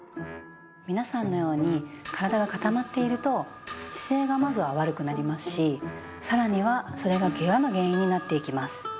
皆さんのように体がかたまっていると姿勢がまずは悪くなりますしさらにはそれがケガの原因になっていきます。